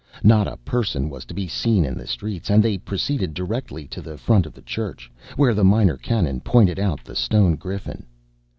Not a person was to be seen in the streets, and they proceeded directly to the front of the church, where the Minor Canon pointed out the stone griffin.